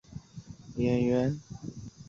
前女性色情片演员。